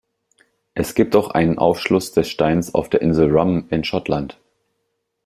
Es gibt auch einen Aufschluss des Steins auf der Insel Rum in Schottland.